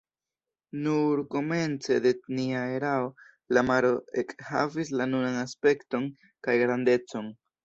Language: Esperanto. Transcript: Nur komence de nia erao la maro ekhavis la nunan aspekton kaj grandecon.